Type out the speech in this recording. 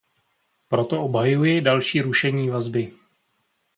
Proto obhajuji další rušení vazby.